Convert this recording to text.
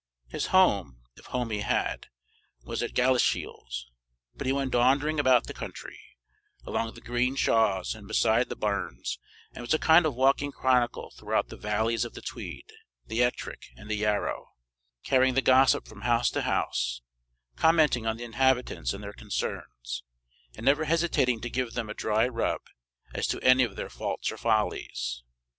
His home, if home he had, was at Galashiels; but he went "daundering" about the country, along the green shaws and beside the burns, and was a kind of walking chronicle throughout the valleys of the Tweed, the Ettrick, and the Yarrow; carrying the gossip from house to house, commenting on the inhabitants and their concerns, and never hesitating to give them a dry rub as to any of their faults or follies.